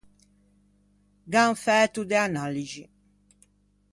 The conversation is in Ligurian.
Gh’an fæto de analixi.